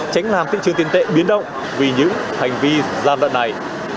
tránh làm thị trường tiền tệ biến động vì những hành vi gian đoạn này